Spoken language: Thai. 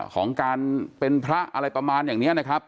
ของการเป็นพระอะไรประมาณอย่างนี้นะครับ